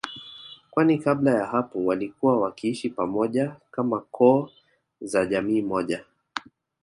kwani kabla ya hapo walikuwa wakiishi pamoja kama koo za jamii moja